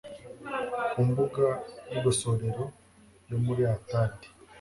ku mbuga y igosorero yo muri Atadi